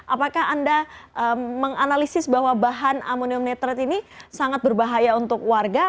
apakah anda menganalisis bahwa bahan amonium netral ini sangat berbahaya untuk warga